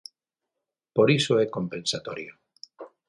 Por iso é compensatorio.